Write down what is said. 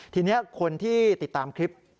ทีนี้คนที่ติดตามคลิป